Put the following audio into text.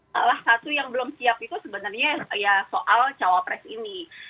salah satu yang belum siap itu sebenarnya ya soal cawapres ini